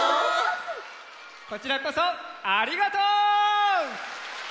こちらこそありがとう！